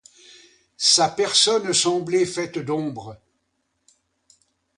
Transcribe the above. Sa personne semblait faite d'ombre.